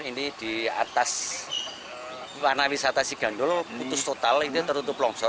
ini di atas panah wisata sigang dulu putus total ini tertutup longsor